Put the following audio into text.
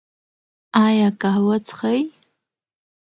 ایا قهوه څښئ؟